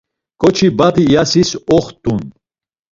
K̆oçi badi iyasis oxt̆un.